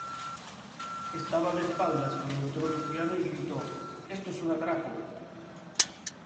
Estaba de espaldas cuando entró Luciano y grito: "Esto es un atraco".